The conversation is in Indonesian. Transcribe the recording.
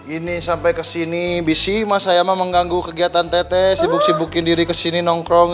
ini sampai ke sini bisi mas yama mengganggu kegiatan tete sibuk sibukin diri ke sini nongkrong